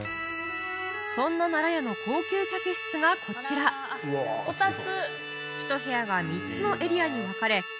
そんな奈良屋の高級客室がこちらひと部屋が３つのエリアに分かれ